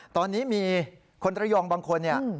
ตอนนี้มีคนระยองบางคนเนี่ย